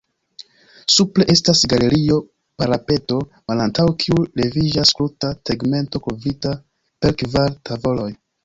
Supre estas galerio-parapeto, malantaŭ kiu leviĝas kruta tegmento kovrita per kvar tavoloj.